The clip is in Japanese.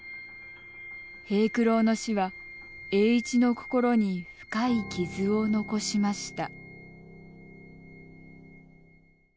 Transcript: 平九郎の死は栄一の心に深い傷を残しました。